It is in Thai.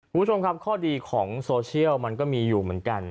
คุณผู้ชมครับข้อดีของโซเชียลมันก็มีอยู่เหมือนกัน